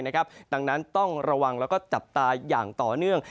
ดังนั้นต้องระวังแล้วก็จับตาอย่างต่อเนื่อง